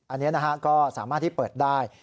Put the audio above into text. อันนี้ก็สามารถที่เปิดได้